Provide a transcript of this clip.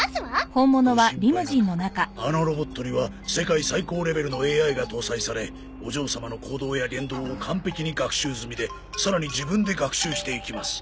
あのロボットには世界最高レベルのＡＩが搭載されお嬢様の行動や言動を完璧に学習済みでさらに自分で学習していきます。